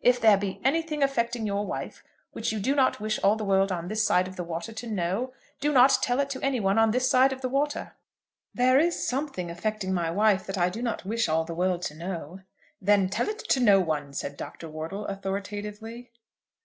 If there be anything affecting your wife which you do not wish all the world on this side of the water to know, do not tell it to any one on this side of the water." "There is something affecting my wife that I do not wish all the world to know." "Then tell it to no one," said Dr. Wortle, authoritatively.